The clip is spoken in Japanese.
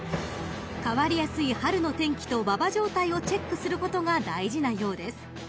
［変わりやすい春の天気と馬場状態をチェックすることが大事なようです］